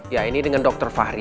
ya ini dengan dr fahri